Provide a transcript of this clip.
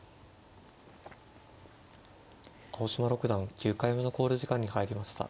青嶋六段９回目の考慮時間に入りました。